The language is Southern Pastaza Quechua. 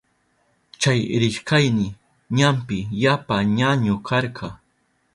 Chay rishkayni ñampi yapa ñañu karka.